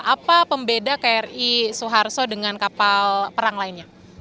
apa pembeda kri suharto dengan kapal perang lainnya